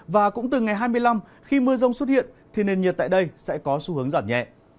và cũng từ ngày hai mươi năm khi mưa rông xuất hiện thì nền nhiệt tại đây sẽ có xu hướng giảm nhẹ